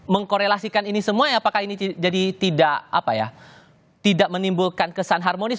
mengkorelasikan ini semua apakah ini jadi tidak menimbulkan kesan harmonis